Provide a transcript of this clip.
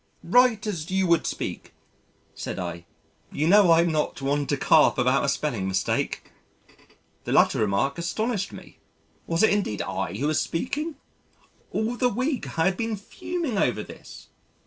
"Write as you would speak," said I. "You know I'm not one to carp about a spelling mistake!" The latter remark astonished me. Was it indeed I who was speaking? All the week I had been fuming over this.